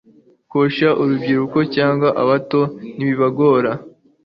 koshya urubyiruko cg abato ntibibagora